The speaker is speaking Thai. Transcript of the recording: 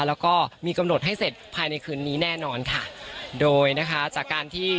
แล้วก็มีกำหนดให้เสร็จภายในคืนนี้แน่นอนค่ะโดยนะคะจากการที่